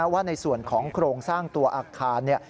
ว่าในส่วนของโครงสร้างตัวอาคาร